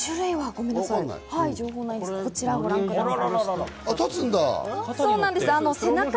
こちらをご覧ください。